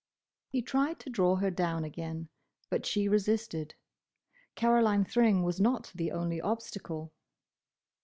He tried to draw her down again, but she resisted. Caroline Thring was not the only obstacle.